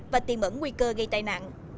và tìm ẩn nguy cơ gây tai nạn